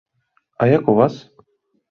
А як у вас?